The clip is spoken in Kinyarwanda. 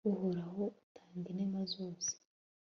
uhoraho atanga inema zose